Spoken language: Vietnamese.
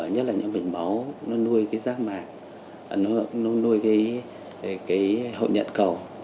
nhất là những mạch máu nó nuôi rác mạc nó nuôi hậu nhận cầu